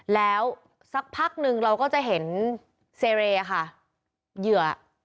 แล้วสักพักนึงเราก็จะเห็นเซเรค่ะเหยื่อ